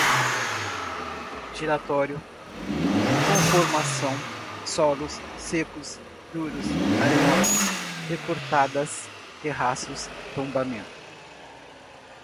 giratório, conformação, solos, secos, duros, arenoso, recortadas, terraços, tombamento